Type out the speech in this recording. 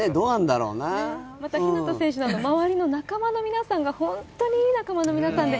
日當選手の周りの皆さんが本当にいい仲間の皆さんで。